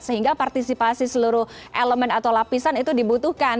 sehingga partisipasi seluruh elemen atau lapisan itu dibutuhkan